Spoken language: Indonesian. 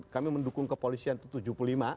kami mendukung kepolisian itu tujuh puluh lima